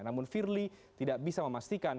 namun firly tidak bisa memastikan